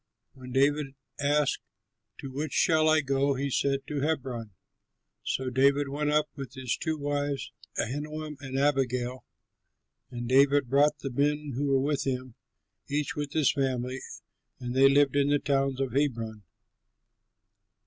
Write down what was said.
When David asked, "To which shall I go?" he said, "To Hebron." So David went up with his two wives, Ahinoam and Abigail. And David brought the men who were with him, each with his family, and they lived in the towns about Hebron.